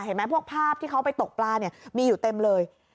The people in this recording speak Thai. พวกภาพที่เขาไปตกปลาเนี่ยมีอยู่เต็มเลย